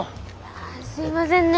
あすいませんね。